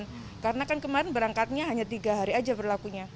karena kan kemarin berangkatnya hanya tiga hari saja berlakunya